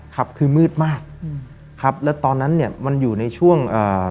ครับคือมืดมากอืมครับแล้วตอนนั้นเนี้ยมันอยู่ในช่วงอ่า